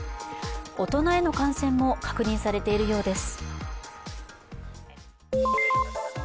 大人への感染も確認されているようです。